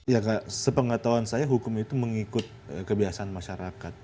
ya kak sepengatauan saya hukum itu mengikut kebiasaan masyarakat